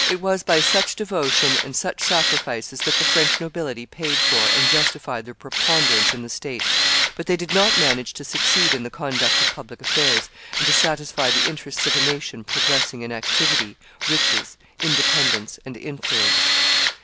It was by such devotion and such sacrifices that the French nobility paid for and justified their preponderance in the state; but they did not manage to succeed in the conduct of public affairs, and to satisfy the interests of a nation progressing in activity, riches, independence, and influence.